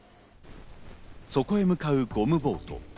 そこへ向かうゴムボート。